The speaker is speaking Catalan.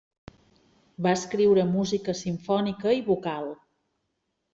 Va escriure música simfònica i vocal.